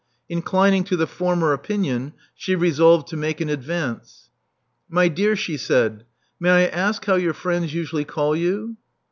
Inclining to the former opinion, she resolved to make an advance. My dear," she said: "may I ask how your friends usually call you?"